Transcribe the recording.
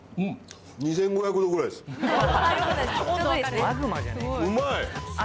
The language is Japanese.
うまい！